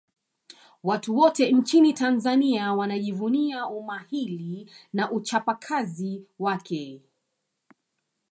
watu wote nchini tanzania wanajivunia umahili na uchapakazi wake